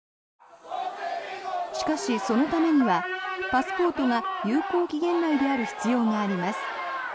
しかし、そのためにはパスポートが有効期限内である必要があります。